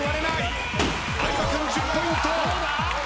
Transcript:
相葉君１０ポイント！